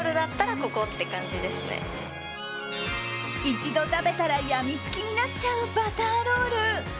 一度食べたらやみつきになっちゃうバターロール。